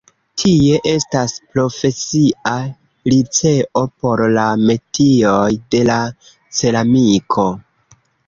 Tie estas profesia liceo por la metioj de la ceramiko.